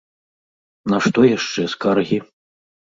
На што яшчэ скаргі?